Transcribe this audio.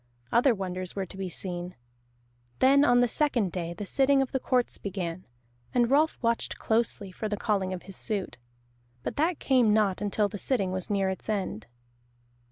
Other wonders were to be seen. Then on the second day the sitting of the courts began, and Rolf watched closely for the calling of his suit. But that came not until the sitting was near its end.